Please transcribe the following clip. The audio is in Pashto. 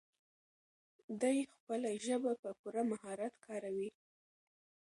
دی خپله ژبه په پوره مهارت کاروي.